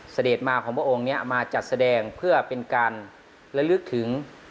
เสด็จมาของพระองค์นี้มาจัดแสดงเพื่อเป็นการระลึกถึง